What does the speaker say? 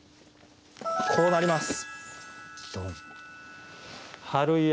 こうなります。